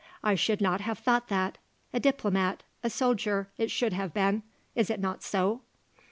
I should not have thought that. A diplomat; a soldier, it should have been. Is it not so?"